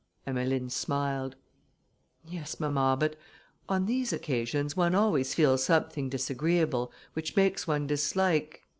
Emmeline smiled. "Yes, mamma, but on these occasions one always feels something disagreeable, which makes one dislike...."